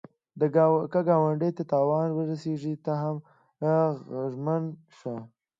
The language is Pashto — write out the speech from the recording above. که ګاونډي ته تاوان ورسېږي، ته هم غمژن شه